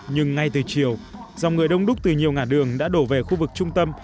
nhưng ngay từ chiều dòng người đông đúc từ nhiều ngã đường đã đổ về khu vực trung tâm